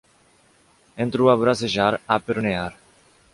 entrou a bracejar, a pernear